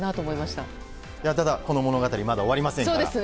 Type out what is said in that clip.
ただ、この物語まだ終わりませんから。